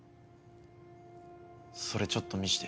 それちょっと見して。